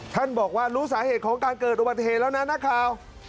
ท่านบอกว่ารู้สาเหตุของการเกิดอุบัติเหตุแล้วนะนักข่าว